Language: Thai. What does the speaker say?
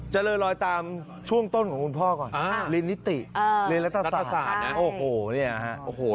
จะเลยลอยตามช่วงต้นของคุณพ่อก่อนกลินนิติและลัตนสาร